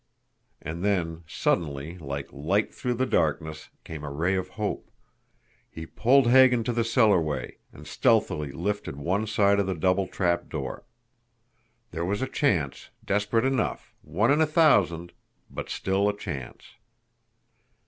And then, suddenly, like light through the darkness, came a ray of hope. He pulled Hagan to the cellarway, and stealthily lifted one side of the double trapdoor. There was a chance, desperate enough, one in a thousand but still a chance!